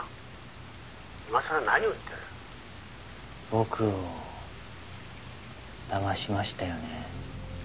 僕をだましましたよね？